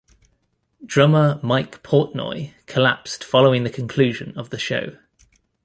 Drummer Mike Portnoy collapsed following the conclusion of the show.